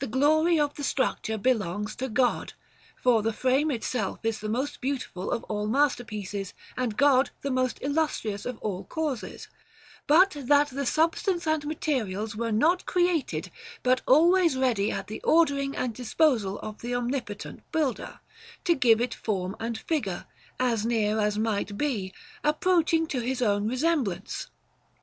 331 glory of the structure belongs to God, — for the frame itself is the most beautiful of all masterpieces, and God the most illustrious of all causes, — but that the substance and materials were not created, but always ready at the ordering and disposal of the Omnipotent Builder, to give it form and figure, as near as might be, approaching to his own resemblance.